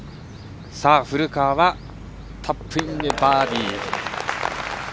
古川はタップインでバーディー。